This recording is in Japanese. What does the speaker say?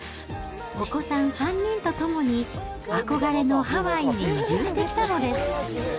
お子さん３人と共に、憧れのハワイに移住してきたのです。